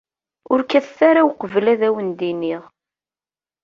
Ur kkatet ara uqbel ad wen-d-iniɣ!